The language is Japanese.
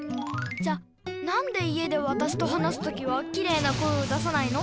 じゃなんで家でわたしと話すときはキレイな声を出さないの？